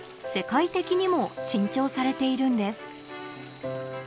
世界的にも珍重されているんです